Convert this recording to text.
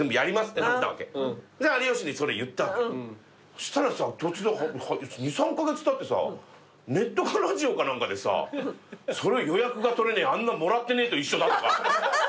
そしたらさ突然２３カ月たってさネットかラジオか何かでさそれを「予約が取れねえあんなのもらってねえと一緒だ」とか。